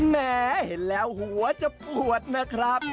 แหมเห็นแล้วหัวจะปวดนะครับ